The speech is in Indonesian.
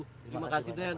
terima kasih den